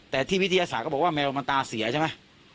แต่ที่วิทยาศาสตร์ก็บอกว่าแมวมันตาเสียใช่ไหม